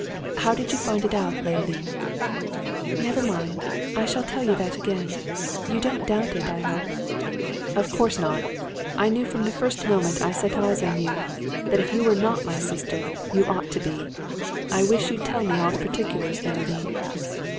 "How did you find it out, Leoline?" "Never mind! I shall tell you that again. You don't doubt it, I hope?" "Of course not! I knew from the first moment I set eyes on you, that if you were not my sister, you ought to be! I wish you'd tell me all the particulars, Leoline."